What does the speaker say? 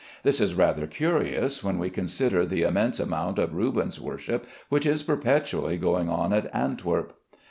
This is rather curious when we consider the immense amount of Rubens worship which is perpetually going on at Antwerp.